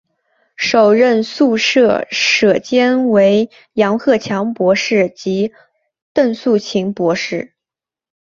首任宿舍舍监为杨鹤强博士及邓素琴博士。